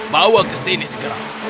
bawa ke sini segera